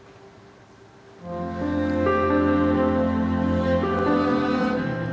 berawal dari fotonya